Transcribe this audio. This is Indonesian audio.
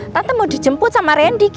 tante mau dijemput sama randy